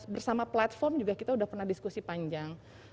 bersama platform juga kita sudah pernah diskusi panjang